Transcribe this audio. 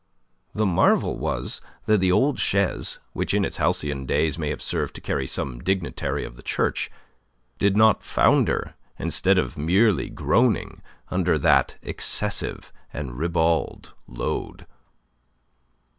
The marvel was that the old chaise, which in its halcyon days may have served to carry some dignitary of the Church, did not founder instead of merely groaning under that excessive and ribald load.